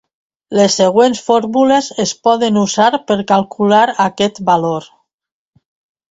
Les següents fórmules es poden usar per a calcular aquest valor.